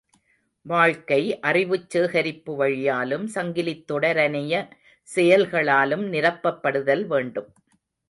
வாழ்க்கை அறிவுச் சேகரிப்பு வழியாலும் சங்கிலித் தொடரனைய செயல்களாலும் நிரப்பப்படுதல் வேண்டும்.